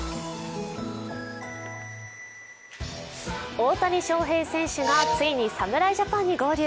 大谷翔平選手がついに侍ジャパンに合流。